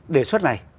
đề xuất này